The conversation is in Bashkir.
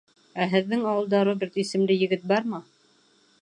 Ә һеҙҙең ауылда Роберт исемле егет бармы?